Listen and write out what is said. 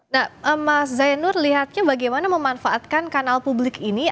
nah mas zainur lihatnya bagaimana memanfaatkan kanal publik ini